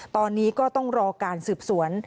ตอนนี้ก็ต้องรอการสืบสวน